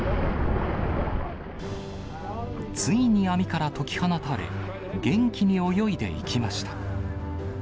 ついに網から解き放たれ、元気に泳いでいきました。